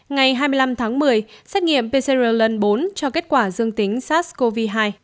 ngày hai mươi năm tháng một mươi xét nghiệm pcr lần bốn cho kết quả dương tính sars cov hai